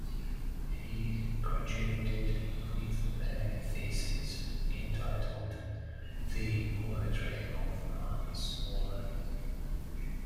He graduated with a thesis entitled 'The Poetry of Hans Warren'.